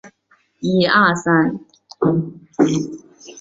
出身于冈山县御津郡御津町。